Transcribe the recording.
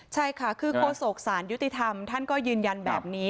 ใช่ค่ะคือโฆษกศาลยุติธรรมท่านก็ยืนยันแบบนี้